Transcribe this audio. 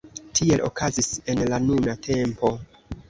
Tiel okazis en la nuna tempo.